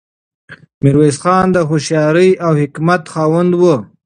میرویس خان د هوښیارۍ او حکمت خاوند و.